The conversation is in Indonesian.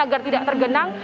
agar tidak tergenang